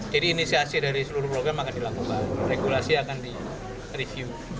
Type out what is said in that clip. jadi inisiasi dari seluruh program akan dilakukan regulasi akan direview